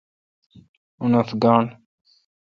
اونتھ گاݨڈ